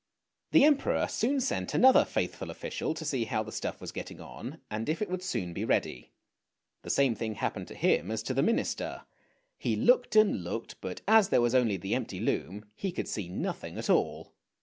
The Emperor soon sent another faithful official to see how the stuff was getting on, and if it would soon be ready. The same thing happened to him as to the minister; he looked and looked, but as there was only the empty loom, he could see nothing at all.